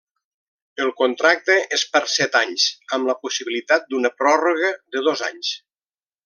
El contracte és per set anys, amb la possibilitat d'una pròrroga de dos anys.